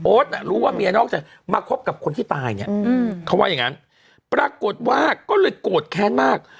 รู้ว่าเมียนอกจากมาคบกับคนที่ตายเนี่ยเขาว่าอย่างนั้นปรากฏว่าก็เลยโกรธแค้นมาก